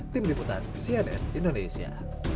tim liputan cnn indonesia